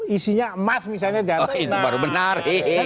isinya emas misalnya datang oh itu baru menarik